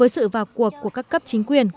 với sự vào cuộc của các cấp chính quyền